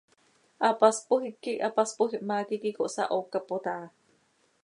Hapaspoj hipquih hapaspoj ihmaa quih iiqui cohsahoocapot aha.